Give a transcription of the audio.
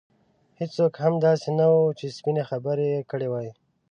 هېڅوک هم داسې نه وو چې سپینې خبرې یې کړې وای.